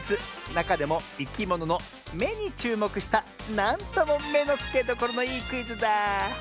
なかでもいきものの「め」にちゅうもくしたなんともめのつけどころのいいクイズだ。